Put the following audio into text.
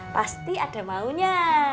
pasti ada maunya